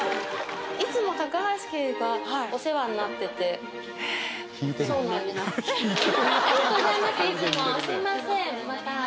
いつも高橋家がお世話になっててそうなんですありがとうございますいつもすみません